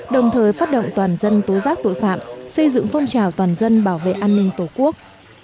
đồng thời phát động toàn dân tố giác tội phạm xây dựng phong trào toàn dân bảo vệ an ninh tổ quốc